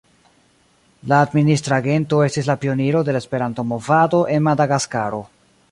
La administra agento estis la pioniro de la Esperanto-Movado en Madagaskaro.